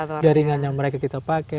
jaringan yang mereka kita pakai